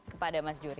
kepada mas jury